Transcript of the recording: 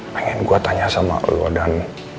pengen gua tanya sama lo dan